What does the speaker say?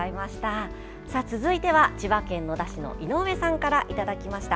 続いては千葉県野田市の井上さんからいただきました。